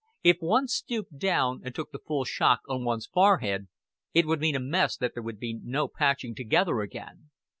If one stooped down and took the full shock on one's forehead, it would mean a mess that there would be no patching together again.